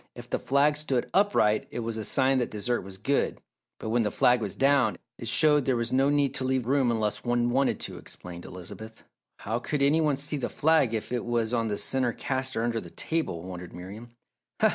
If the flag stood upright it was a sign that dessert was good, but when the flag was down, it showed there was no need to leave room unless one wanted to," explained Elizabeth. "How could any one see the flag if it was on the centre caster under the table?" wondered Miriam.